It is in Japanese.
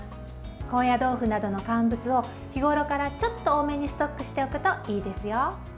高野豆腐などの乾物を日ごろからちょっと多めにストックしておくといいですよ。